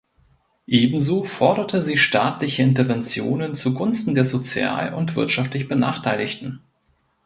Ebenso forderte sie staatliche Interventionen zugunsten der sozial und wirtschaftlich Benachteiligten.